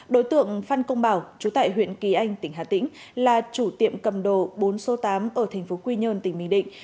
đối tượng phan công bảo trú tại huyện kỳ anh tỉnh hà tĩnh là chủ tiệm cầm đồ bốn số tám ở tp quy nhơn tỉnh bình định